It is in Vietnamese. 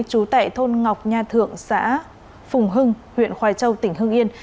chú tệ thôn ngọc nha thượng xã phùng hưng huyện khoai châu tỉnh hưng yên